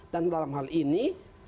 dan dalam hal ini